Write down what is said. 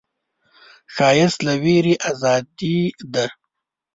ښایست له ویرې ازادي ده